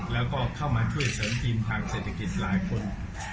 แล้วก็เข้ามาช่วยเสริมทีมทางเศรษฐกิจหลายคน